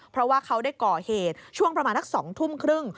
เพราะว่าเขาได้ก่อเหตุช่วงประมาณสัก๒ทุ่มครึ่ง